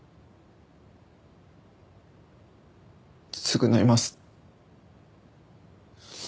償います。